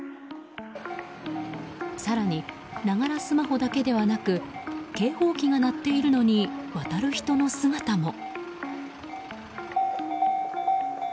更に、ながらスマホだけではなく警報機が鳴っているのに渡る人の姿も。